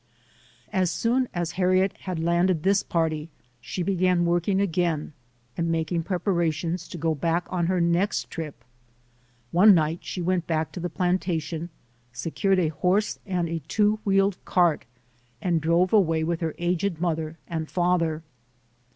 As soon as Harriet had landed this party, she began working again and making preparations to go back on her next trip. One night she went back to the plantation, secured a horse and a two wheel cart and drove away with her aged mother and father.